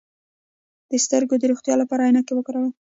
د سترګو د روغتیا لپاره عینکې وکاروئ